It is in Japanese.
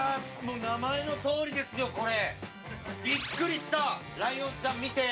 名前のとおりですよ、これ。